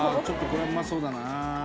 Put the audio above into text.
ちょっとこれはうまそうだな。